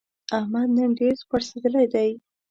احمد نن ډېر پړسېدلی دی.